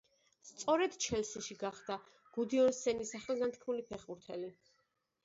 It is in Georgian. სწორედ „ჩელსიში“ გახდა გუდიონსენი სახელგანთქმული ფეხბურთელი.